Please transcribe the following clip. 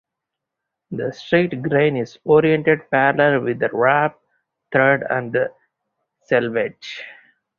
The straight grain is oriented parallel with the warp threads and the selvedge.